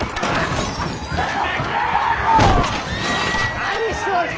何しておる！